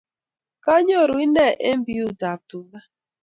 Kanyoru ine eng biut ab tuga